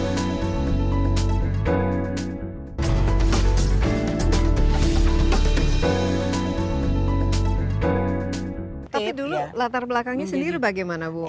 tapi dulu latar belakangnya sendiri bagaimana bu